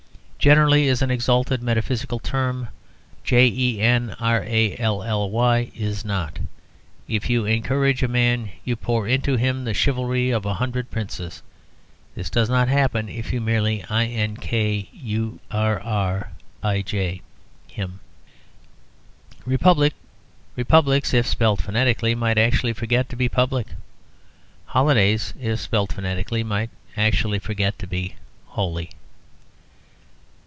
"Generally" is an exalted metaphysical term; "jenrally" is not. If you "encourage" a man, you pour into him the chivalry of a hundred princes; this does not happen if you merely "inkurrij" him. "Republics," if spelt phonetically, might actually forget to be public. "Holidays," if spelt phonetically, might actually forget to be holy.